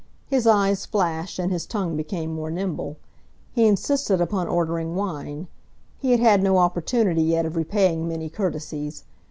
His eyes flashed, and his tongue became more nimble. He insisted upon ordering wine. He had had no opportunity yet of repaying many courtesies.